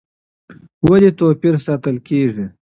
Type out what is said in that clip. ولې توپیر ساتل کېږي؟